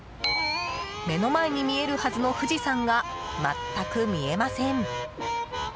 目の前に見えるはずの富士山が全く見えません。